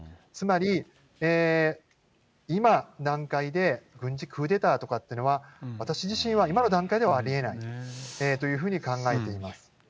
つまり、今の段階で軍事クーデターとかというのは、私自身は今の段階ではありえないというふうに考えています。